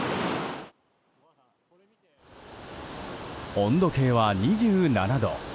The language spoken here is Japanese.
温度計は２７度。